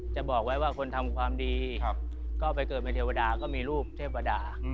จะบอกไว้ว่าคนทำความดีก็ไปเกิดเป็นเทวดาก็มีรูปเทพวดา